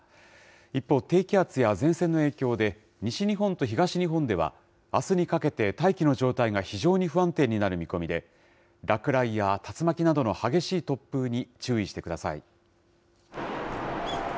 一方、低気圧や前線の影響で、西日本と東日本では、あすにかけて大気の状態が非常に不安定になる見込みで、落雷や竜巻などの激しい突風に注意してください。